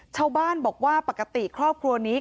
ชาวบ้านบอกว่าปกติครอบครัวนี้